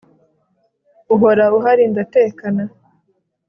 uhora uhari ndatekana